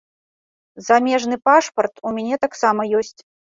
Замежны пашпарт у мяне таксама ёсць.